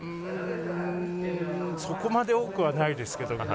そこまで多くはないですけど。